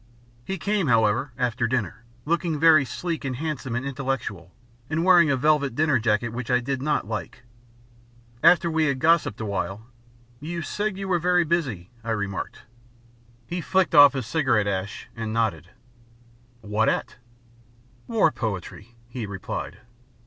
He came, however, after dinner, looking very sleek and handsome and intellectual, and wearing a velvet dinner jacket which I did not like. After we had gossiped awhile: "You said you were very busy?" I remarked. He flicked off his cigarette ash and nodded. "What at?" "War poetry," he replied.